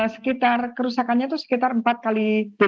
sekitar kerusakannya itu sekitar empat kali